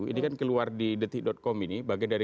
ini kan keluar di detik com ini